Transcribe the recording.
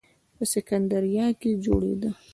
په سکندریه کې جوړېده.